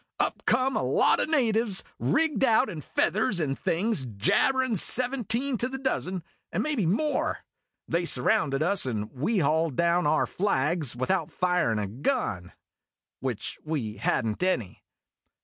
Up came a lot of natives rigged out in feathers and things, jabberin' seventeen to the dozen, and maybe more. They surrounded us, and we hauled down our flags without firin' a gun which we had n't any.